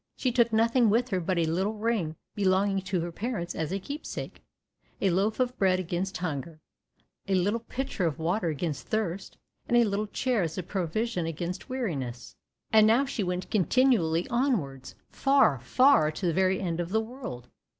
She took nothing with her but a little ring belonging to her parents as a keepsake, a loaf of bread against hunger, a little pitcher of water against thirst, and a little chair as a provision against weariness. And now she went continually onwards, far, far to the very end of the world.